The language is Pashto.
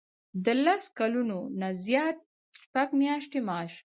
د لس کلونو نه زیات شپږ میاشتې معاش.